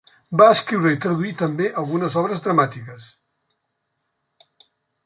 Va escriure i traduir també algunes obres dramàtiques.